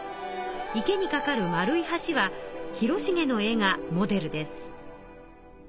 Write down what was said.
池にかかる丸い橋は広重の絵がモデルです。